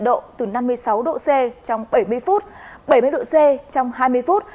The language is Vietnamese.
độ từ năm mươi sáu độ c trong bảy mươi phút bảy mươi độ c trong hai mươi phút